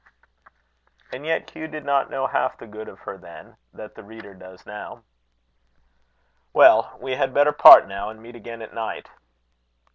And yet Hugh did not know half the good of her then, that the reader does now. "Well, we had better part now, and meet again at night."